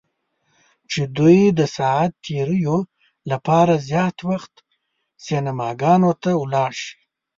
چې دوی د ساعت تیریو لپاره زیات وخت سینماګانو ته ولاړ شي.